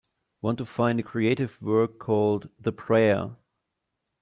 Want to find a creative work called The Prayer